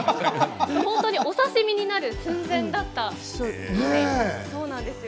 本当にお刺身になる寸前だったそうなんですよ。